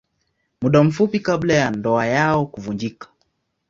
Muda mfupi kabla ya ndoa yao kuvunjika.